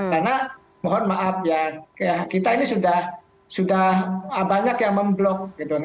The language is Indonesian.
karena mohon maaf ya kita ini sudah banyak yang memblok gitu